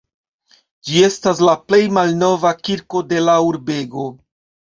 Ĝi estas la plej malnova kirko de la urbego.